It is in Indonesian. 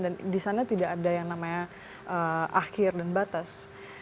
dan disana tidak ada yang namanya akhir dan batas